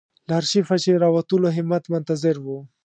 له آرشیفه چې راووتلو همت منتظر و.